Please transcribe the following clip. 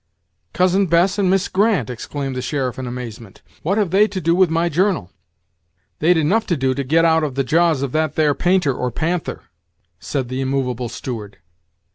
"Cousin Bess and Miss Grant!" exclaimed the sheriff, in amazement; "what have they to do with my journal?" "They'd enough to do to get out of the jaws of that there painter or panther," said the immovable steward.